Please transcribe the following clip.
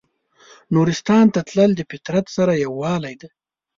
نورستان ته تلل د فطرت سره یووالی دی.